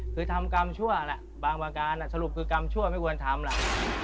คือทำกรรมชั่วแหละบางประการสรุปคือกรรมชั่วไม่ควรทำล่ะ